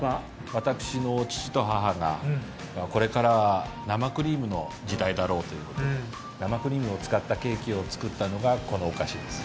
私の父と母が、これからは生クリームの時代だろうと生クリームを使ったケーキを作ったのが、このお菓子です。